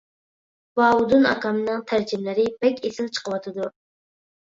باۋۇدۇن ئاكامنىڭ تەرجىمىلىرى بەك ئېسىل چىقىۋاتىدۇ.